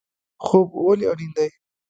خوب ولې اړین دی؟